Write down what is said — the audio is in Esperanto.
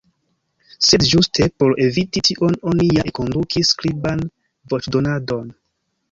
Sed ĝuste por eviti tion oni ja enkondukis skriban voĉdonadon.